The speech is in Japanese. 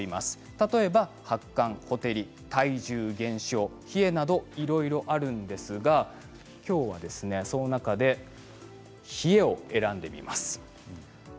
例えば発汗、ほてり、体重減少冷えなど、さまざまあるんですが今日はその中で冷えを選んでみます。